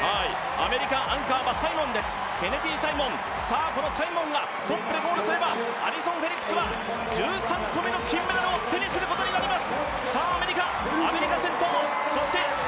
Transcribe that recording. アメリカ、アンカーはケネディ・サイモン、サイモンがトップでゴールすればアリソン・フェリックスは１３個目の金メダルを手にすることになります。